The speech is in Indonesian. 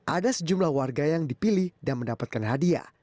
ada sejumlah warga yang dipilih dan mendapatkan hadiah